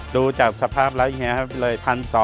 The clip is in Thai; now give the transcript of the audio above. ดูจากสภาพแล้วยังไงครับเลย๑๒๐๐